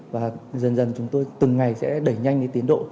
và dần dần chúng tôi từng ngày sẽ đẩy nhanh cái tiến độ